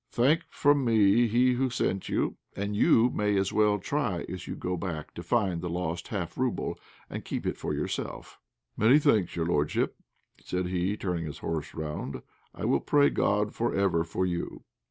"Thank from me he who sent you: and you may as well try as you go back to find the lost half rouble and keep it for yourself." "Many thanks, your lordship," said he, turning his horse round; "I will pray God for ever for you."